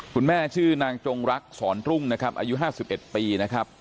คุณแม่ชื่อนางจงรักสอนรุ่งนะครับอายุ๕๑ปีนะครับ